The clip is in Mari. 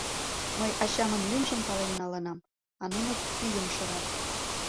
Мый ачамын лӱмжым пален налынам, а нуно пӱйым шырат.